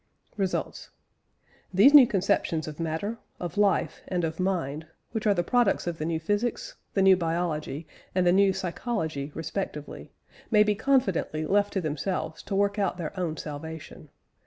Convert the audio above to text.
RESULTS. These new conceptions of matter, of life, and of mind, which are the products of the new physics, the new biology, and the new psychology respectively, may be confidently left to themselves to work out their own salvation.